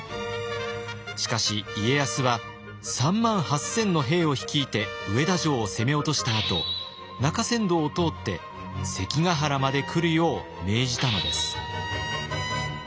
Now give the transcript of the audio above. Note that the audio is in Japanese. しかし家康は３万８，０００の兵を率いて上田城を攻め落としたあと中山道を通って関ヶ原まで来るよう命じたのです。